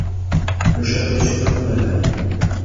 Le château surplombe la vallée.